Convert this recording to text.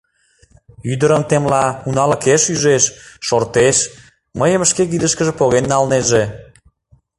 Ӱдырым темла, уналыкеш ӱжеш, шортеш, мыйым шке кидышкыже поген налнеже.